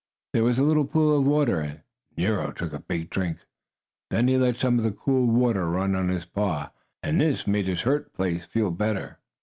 There was a little pool of water, and Nero took a big drink. Then he let some of the cool water run on his paw, and this made the hurt place feel better.